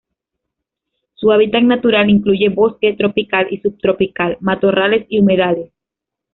Su hábitat natural incluye bosque tropical y subtropical, matorrales y humedales.